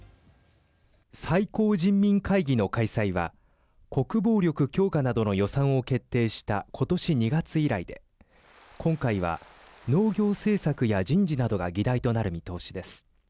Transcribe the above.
最高人民会議の開催は国防力強化などの予算を決定した今年２月以来で今回は、農業政策や人事などが議題となる見通しです。